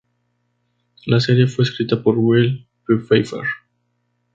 La serie fue escrita por Will Pfeifer.